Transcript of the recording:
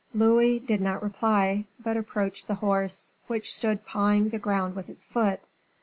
Louis did not reply, but approached the horse, which stood pawing the ground with its foot.